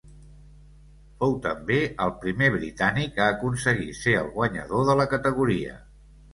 Fou també el primer britànic a aconseguir ser el guanyador de la categoria.